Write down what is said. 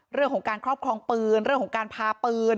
เรื่องของการครอบครองปืนเรื่องของการพาปืน